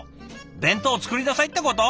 「弁当作りなさいってこと？